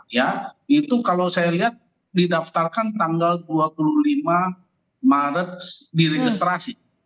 ya itu kalau saya lihat didaftarkan tanggal dua puluh lima maret di registrasi